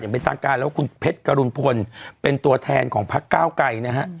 เป็นทางการแล้วคุณเพชรกรุณพลเป็นตัวแทนของพักเก้าไกรนะฮะ